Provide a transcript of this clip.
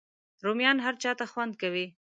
رومیان هر چاته خوند کوي